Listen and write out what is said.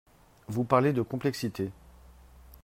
Vous parlez de complexité.